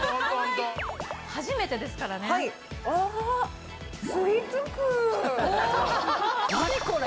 初めてですからねあっ